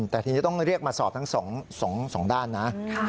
แต่ทีนี้ต้องเรียกมาสอบทั้ง๒ด้านนะ